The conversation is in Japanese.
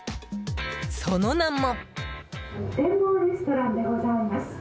その名も。